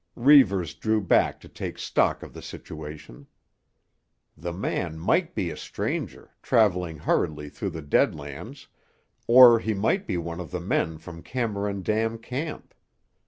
Reivers drew back to take stock of the situation. The man might be a stranger, travelling hurriedly through the Dead Lands, or he might be one of the men from Cameron Dam Camp.